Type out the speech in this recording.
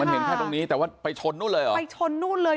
เห็นแค่ตรงนี้แต่ว่าไปชนนู่นเลยเหรอไปชนนู่นเลย